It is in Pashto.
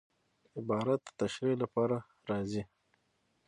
عبارت د تشریح له پاره راځي.